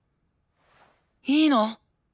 いいの！？